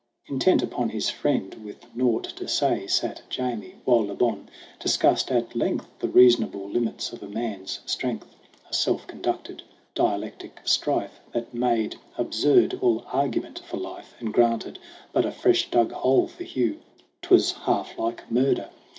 Intent upon his friend, with naught to say, Sat Jamie; while Le Bon discussed at length The reasonable limits of man's strength A self conducted dialectic strife That made absurd all argument for life And granted but a fresh dug hole for Hugh. 'Twas half like murder.